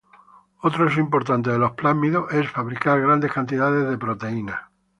Otro uso importante de los plásmidos es fabricar grandes cantidades de proteínas.